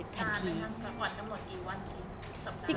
แล้วก็ก่อนกำหนดกี่วันที